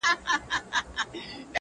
هر یوه چي مي په مخ کي پورته سر کړ!.